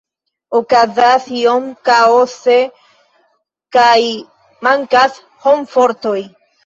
Okazas iom kaose kaj mankas homfortoj.